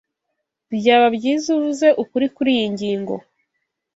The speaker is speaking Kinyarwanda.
Byaba byiza uvuze ukuri kuriyi ngingo.